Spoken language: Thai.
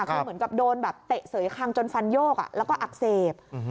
คือเหมือนกับโดนแบบเตะเสยคังจนฟันโยกแล้วก็อักเสบ